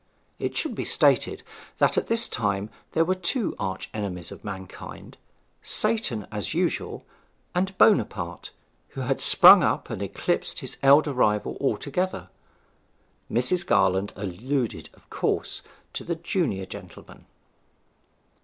It should be stated that at this time there were two arch enemies of mankind Satan as usual, and Buonaparte, who had sprung up and eclipsed his elder rival altogether. Mrs. Garland alluded, of course, to the junior gentleman.